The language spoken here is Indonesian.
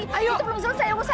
itu belum selesai